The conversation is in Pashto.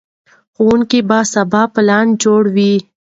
ښوونکي به سبا پلان جوړوي.